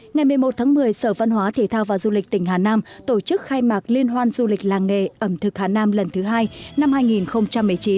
ngày một mươi một tháng một mươi sở văn hóa thể thao và du lịch tỉnh hà nam tổ chức khai mạc liên hoan du lịch làng nghề ẩm thực hà nam lần thứ hai năm hai nghìn một mươi chín